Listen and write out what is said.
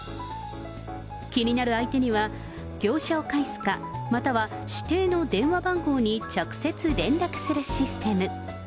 気になる相手には、業者を介すか、または指定の電話番号に直接連絡するシステム。